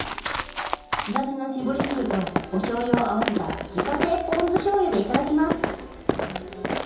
すだちの搾り汁とおしょうゆを合わせた自家製ポン酢しょうゆで頂きます。